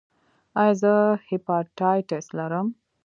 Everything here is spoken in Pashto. ایا زه هیپاټایټس لرم؟